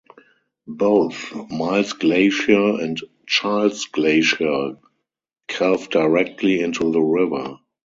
Both Miles Glacier and Childs Glacier calve directly into the river.